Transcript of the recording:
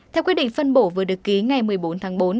theo quyết định phân bổ vừa được ký ngày một mươi bốn tháng bốn